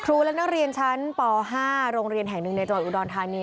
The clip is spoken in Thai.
และนักเรียนชั้นป๕โรงเรียนแห่งหนึ่งในจังหวัดอุดรธานี